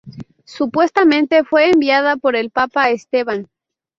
Supuestamente fue enviada por el papa a Esteban.